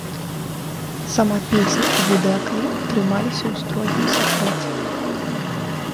Сама песня і відэакліп трымаліся ў строгім сакрэце.